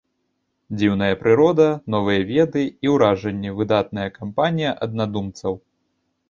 Дзіўная прырода, новыя веды і ўражанні, выдатная кампанія аднадумцаў.